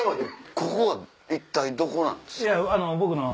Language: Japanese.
ここは一体どこなんですか？